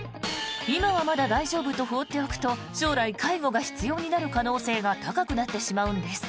今はまだ大丈夫と放っておくと将来、介護が必要になってしまう可能性が高くなってしまうんです。